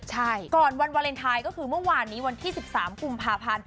ใช่ก่อนวันวาเลนไทยก็คือเมื่อวานนี้วันที่๑๓กุมภาพันธ์